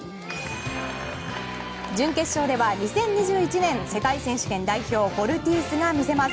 準決勝では２０２１年世界選手権代表フォルティウスが見せます！